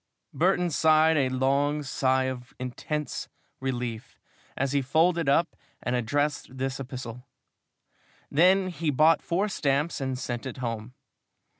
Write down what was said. Burton sighed a long sigh of intense relief as he folded up and addressed this epistle. Then he bought four stamps and sent it home.